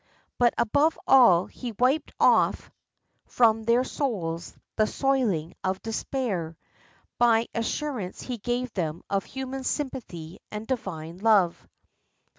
But, above all, he wiped off from their souls "the soiling of despair" by the assurance he gave them of human sympathy and Divine love.